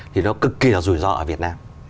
thì nó cực kỳ là rủi ro ở việt nam